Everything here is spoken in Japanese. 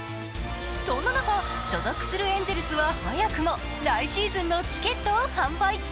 そんな中、所属するエンゼルスは早くも来シーズンのチケットを販売。